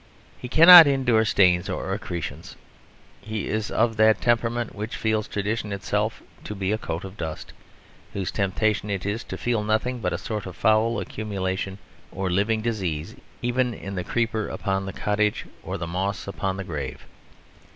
He cannot endure stains or accretions; he is of that temperament which feels tradition itself to be a coat of dust; whose temptation it is to feel nothing but a sort of foul accumulation or living disease even in the creeper upon the cottage or the moss upon the grave.